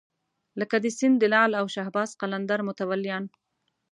لکه د سیند د لعل او شهباز قلندر متولیان.